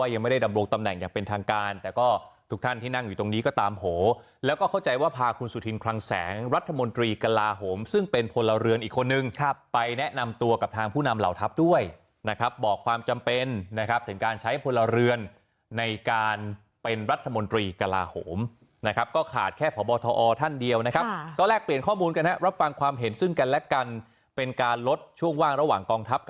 ยังไม่ได้ดำโลกตำแหน่งอย่างเป็นทางการแต่ก็ทุกท่านที่นั่งอยู่ตรงนี้ก็ตามโผล่แล้วก็เข้าใจว่าพาคุณสุธินคลังแสงรัฐมนตรีกระลาหมซึ่งเป็นพลเรือนอีกคนนึงไปแนะนำตัวกับทางผู้นำเหล่าทัพด้วยนะครับบอกความจำเป็นนะครับถึงการใช้พลเรือนในการเป็นรัฐมนตรีกระลาหมนะครับก็ขาดแค่ผอบทอท่